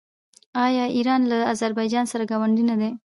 آیا ایران له اذربایجان سره ګاونډی نه دی؟